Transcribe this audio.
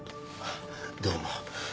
どうも。